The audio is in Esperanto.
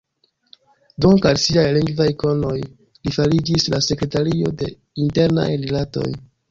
Danke al siaj lingvaj konoj, li fariĝis la sekretario de Internaj Rilatoj.